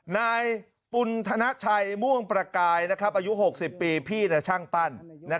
นายปุณธนชัยม่วงประกายอายุ๖๐ปีพี่ช่างปั้น